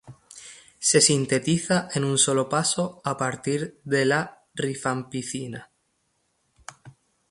Se sintetiza en un solo paso a partir de la rifampicina.